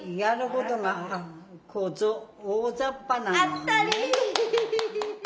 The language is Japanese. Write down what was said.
当ったり！